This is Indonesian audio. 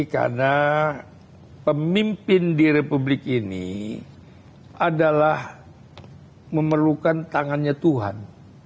karena pemimpin di republik ini adalah memerlukan tangannya tuhan